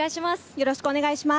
よろしくお願いします。